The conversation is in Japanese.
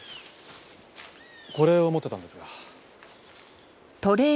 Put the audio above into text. これを持ってたんですが。